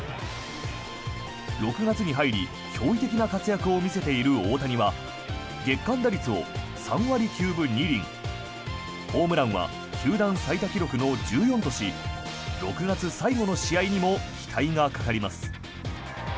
６月に入り驚異的な活躍を見せている大谷は月間打率を３割９分２厘ホームランは球団最多記録の１４とし６月最後の試合にも期待がかかります。